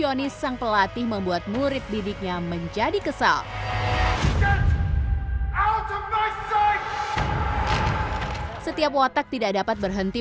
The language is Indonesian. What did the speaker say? dan juga bergabung dengan institusi balet bergensi